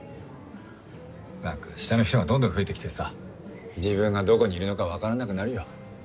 何か下の人がどんどん増えてきてさ自分がどこにいるのかわからなくなるよ。